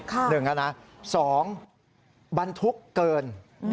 ค่ะหนึ่งนะฮะสองบรรทุกเกิน